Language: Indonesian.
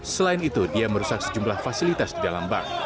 selain itu dia merusak sejumlah fasilitas di dalam bank